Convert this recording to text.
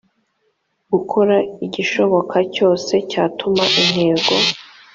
gukora igishoboka cyose cyatuma intego